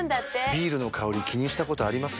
ビールの香り気にしたことあります？